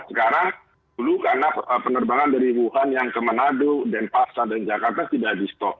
sekarang dulu karena penerbangan dari wuhan yang ke manado denpasar dan jakarta tidak di stop